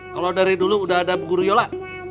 kalau dari dulu udah ada bu guru yola